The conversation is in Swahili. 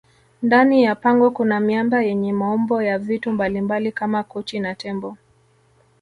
ndani ya pango Kuna miamba yenye maumbo ya vitu mbalimbali Kama kochi na tembo